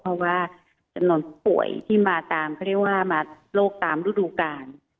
เพราะว่ากระโดรนต์ปวดที่มาตามเขาเรียกว่าโรคตามรูดรูกการ